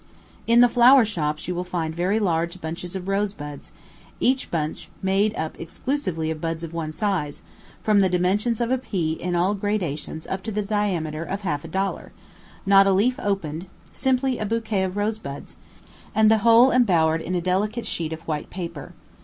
In the flower shops you will find very large bunches of rosebuds, each bunch made up exclusively of buds of one size, from the dimensions of a pea in all gradations up to the diameter of a half dollar not a leaf opened, simply a bouquet of rosebuds, and the whole embowered in a delicate sheet of white paper.